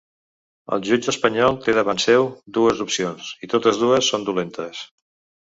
El jutge espanyol té davant seu dues opcions i totes dues són dolentes.